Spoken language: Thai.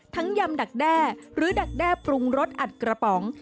ยำดักแด้หรือดักแด้ปรุงรสอัดกระป๋อง